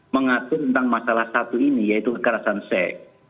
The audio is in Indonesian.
mengatur tentang masalah satu ini yaitu kekerasan sek